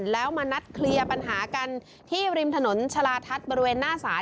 แล้วมานัดเคลียร์ปัญหากันที่ริมถนนชาลาทัศน์บริเวณหน้าศาล